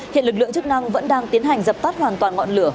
hiện lực lượng chức năng vẫn đang tiến hành dập tắt hoàn toàn ngọn lửa